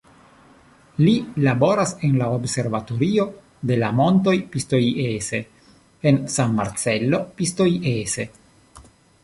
Li laboras en la Observatorio de la Montoj Pistoiese, en San Marcello Pistoiese.